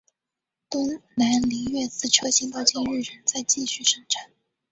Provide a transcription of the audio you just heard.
东南菱悦此车型到今日仍在继续生产。